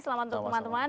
selamat untuk teman teman